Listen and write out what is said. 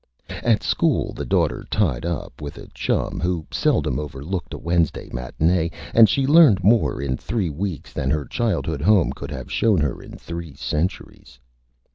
At School, the Daughter tied up with a Chum, who seldom overlooked a Wednesday Matinee, and she learned more in three Weeks than her Childhood Home could have shown her in three Centuries.